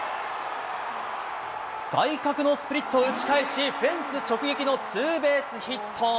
外角のスプリットを打ち返し、フェンス直撃のツーベースヒット。